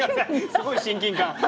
すごい親近感！